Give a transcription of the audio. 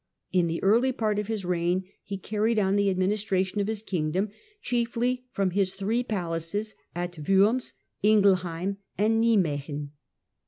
In the early part of his reign he carried on the administration of his kingdom chiefly from his three palaces at Worms, Ingelheim and Nimuegen.